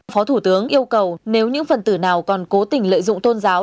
phó thủ tướng yêu cầu nếu những phần tử nào còn cố tình lợi dụng tôn giáo